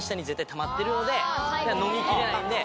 飲みきれないんで。